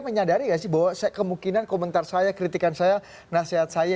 menyadari nggak sih bahwa kemungkinan komentar saya kritikan saya nasihat saya